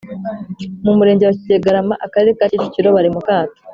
mu Murenge wa Kigarama Akarere ka Kicukiro bari mukato